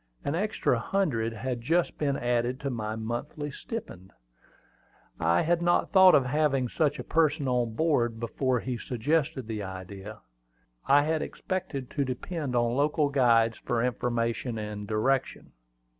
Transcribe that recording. An extra hundred had just been added to my monthly stipend. I had not thought of having such a person on board before he suggested the idea. I had expected to depend on local guides for information and direction.